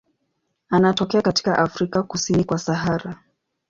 Anatokea katika Afrika kusini kwa Sahara.